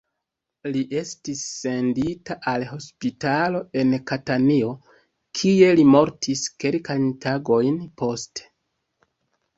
Li estis sendita al hospitalo en Katanio, kie li mortis kelkajn tagojn poste.